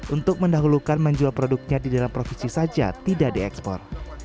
untuk mendahulukan menjual produknya di dalam provinsi saja tidak diekspor